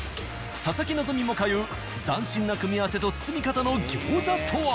佐々木希も通う斬新な組み合わせと包み方の餃子とは？